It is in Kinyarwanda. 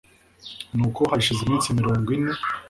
nuko hashize iminsi mirongo ine